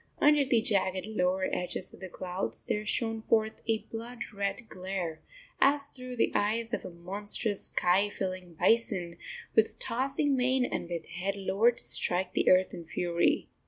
Under the jagged lower edges of the clouds there shone forth a blood red glare, as through the eyes of a monstrous, sky filling bison, with tossing mane and with head lowered to strike the earth in fury.